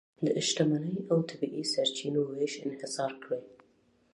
د شتمنۍ او طبیعي سرچینو وېش انحصار کړي.